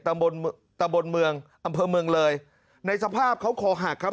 ตำบลตำบลเมืองอำเภอเมืองเลยในสภาพเขาคอหักครับ